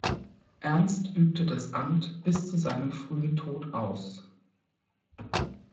Ernst übte das Amt bis zu seinem frühen Tod aus.